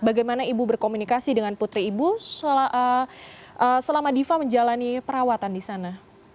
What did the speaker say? bagaimana ibu berkomunikasi dengan putri ibu selama diva menjalani perawatan di sana